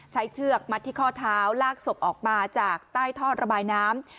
เชือกมัดที่ข้อเท้าลากศพออกมาจากใต้ท่อระบายน้ำ